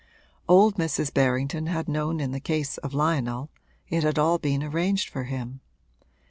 Old Mrs. Berrington had known in the case of Lionel it had all been arranged for him.